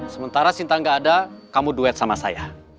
sementara sinta gak ada kamu duet sama saya